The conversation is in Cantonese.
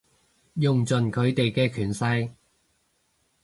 用盡佢哋嘅權勢